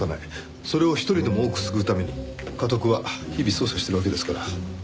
それを一人でも多く救うためにかとくは日々捜査しているわけですから。